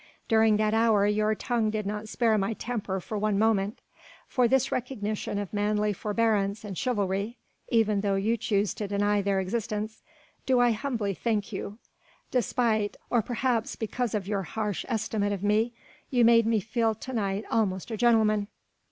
During that hour your tongue did not spare my temper for one moment. For this recognition of manly forbearance and chivalry even though you choose to deny their existence do I humbly thank you. Despite or perhaps because of your harsh estimate of me you made me feel to night almost a gentleman."